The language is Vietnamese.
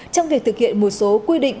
trong việc thực hiện một số quy định